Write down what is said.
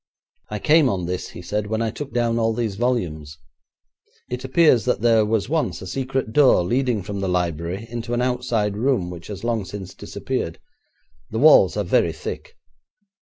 'I came on this,' he said, 'when I took down all these volumes. It appears that there was once a secret door leading from the library into an outside room, which has long since disappeared; the walls are very thick.